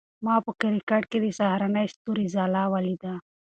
ما په کړکۍ کې د سهارني ستوري ځلا ولیده.